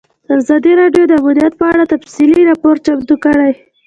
ازادي راډیو د امنیت په اړه تفصیلي راپور چمتو کړی.